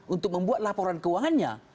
untuk membuat laporan keuangannya